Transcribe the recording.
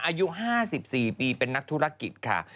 อายุ๕๔ปีเป็นนักธุรกิจค่ะ